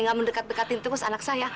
gak mendekat dekatin terus anak saya